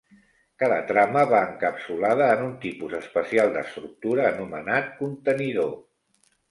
Cada trama va encapsulada en un tipus especial d'estructura anomenat contenidor.